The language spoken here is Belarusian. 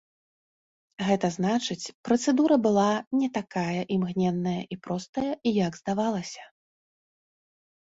Гэта значыць, працэдура была не такая імгненная і простая, як здавалася.